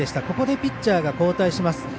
ここでピッチャー交代します。